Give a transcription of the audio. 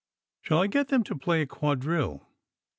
" Shall I get them to play a quadrille?"